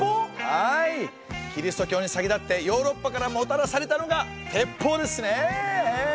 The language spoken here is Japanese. はいキリスト教に先立ってヨーロッパからもたらされたのが鉄砲ですねええ。